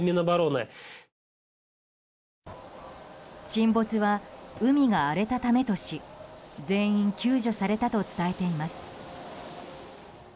沈没は海が荒れたためとし全員救助されたと伝えています。